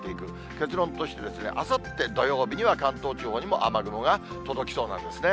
結論として、あさって土曜日には、関東地方にも雨雲が届きそうなんですね。